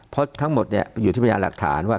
เพราะทั้งหมดเนี่ยอยู่ที่ประหยัดหลักฐานว่า